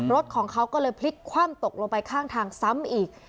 รถของเขาก็เลยพลิกคว่ำตกลงไปข้างทางซ้ำอีก